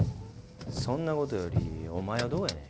そんなことよりお前はどうやねん。